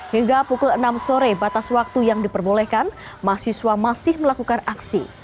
hingga pukul enam sore batas waktu yang diperbolehkan mahasiswa masih melakukan aksi